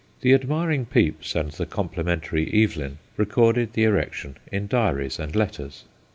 The admir ing Pepys and the complimentary Evelyn CLARENDON 19 recorded the erection in diaries and letters.